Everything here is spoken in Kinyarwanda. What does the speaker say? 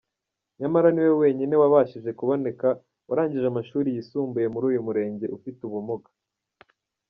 Nyamara niwe wenyine wabashije kuboneka warangije amashuri yisumbuye muri uyu Murenge ufite ubumuga.